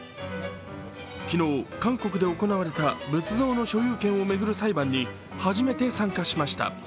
昨日、韓国で行われた仏像の所有権を巡る裁判に初めて参加しました。